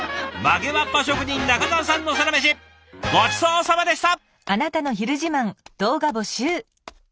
曲げわっぱ職人仲澤さんのサラメシごちそうさまでした！